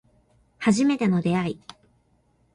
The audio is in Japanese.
初めての出会い